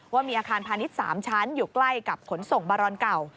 ว่ามีอาคารพาณิชย์๓ชั้นอยู่ใกล้กับขนส่งบารอนเก่า